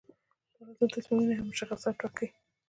دا لازم تصمیمونه هم مشخص او ټاکي.